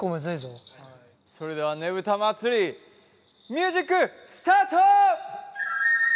それではねぶた祭ミュージックスタート！